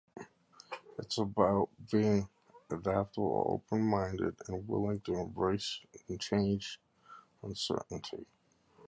It is about being adaptable, open-minded, and willing to embrace change and uncertainty.